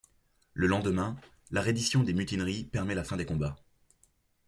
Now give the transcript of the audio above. Le lendemain, la reddition des mutineries permet la fin des combats.